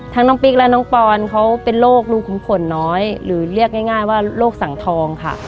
น้องปิ๊กและน้องปอนเขาเป็นโรคลูกคุ้มผลน้อยหรือเรียกง่ายว่าโรคสังทองค่ะ